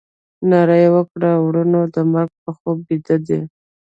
ناره یې وکړه ورونه د مرګ په خوب بیده دي.